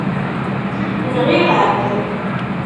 Nɣiɣ-am-t.